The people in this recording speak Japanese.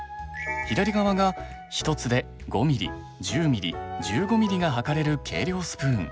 左側が１つで５ミリ１０ミリ１５ミリが量れる計量スプーン。